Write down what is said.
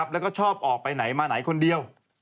แล้วก็ชอบออกไปไหนมาไหนคนเดียว